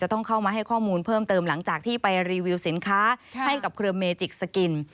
ต้องเข้ามาให้ข้อมูลเพิ่มเติมหลังจากที่ไปรีวิวสินค้าให้กับเครือเมจิกสกิน